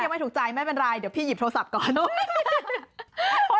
โอ้โฮยังไม่มีเลยครับผม